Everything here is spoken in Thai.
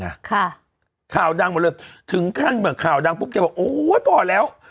ค่ะข่าวดังหมดเลยถึงขั้นแบบข่าวดังปุ๊บแกบอกโอ้โหต่อแล้ว